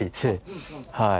はい。